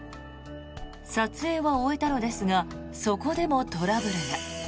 撮影は終えたのですがそこでもトラブルが。